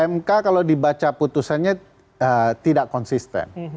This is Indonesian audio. mk kalau dibaca putusannya tidak konsisten